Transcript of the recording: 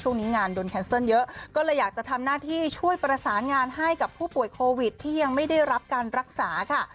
งานโดนแคนเซิลเยอะก็เลยอยากจะทำหน้าที่ช่วยประสานงานให้กับผู้ป่วยโควิดที่ยังไม่ได้รับการรักษาค่ะ